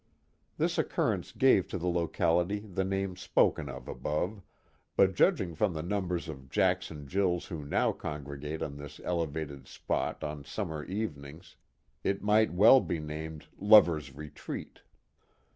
This occurrence gave to the locality the name spoken of above, but judging from the numbers of Jacks and Jills who now congregate on this elevated spot on summer evenings, it might well be renamed Lovers' Retreat."